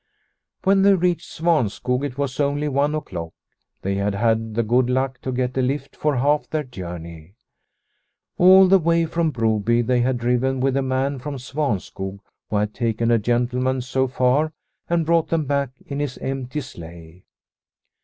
When they reached Svanskog it was only one o'clock. They had had the good luck to get a lift for half their journey. All the way from Broby they had driven with a man from Svanskog, who had taken a gentleman so far and brought them back in his empty sleigh.